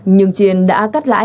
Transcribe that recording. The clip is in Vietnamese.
nhưng chiên đã cắt lãi